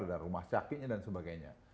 ada rumah sakitnya dan sebagainya